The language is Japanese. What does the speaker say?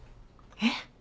えっ！？